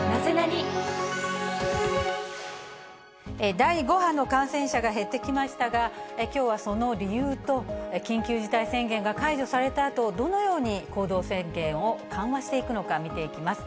第５波の感染者が減ってきましたが、きょうはその理由と、緊急事態宣言が解除されたあと、どのように行動制限を緩和していくのか見ていきます。